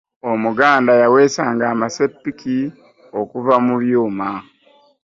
omuganda yawesanga amasepiki okuuva mu byuuma